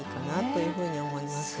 というふうに思いますね。